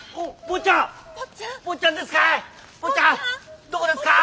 坊ちゃんどこですか？